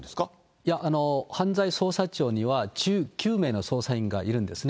いや、犯罪捜査庁には１９名の捜査員がいるんですね。